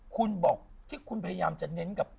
คุณบอกที่คุณพยายามจะเน้นกับ